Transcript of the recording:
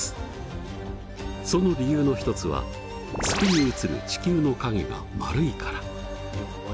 その理由の一つは月に映る地球の影が丸いから。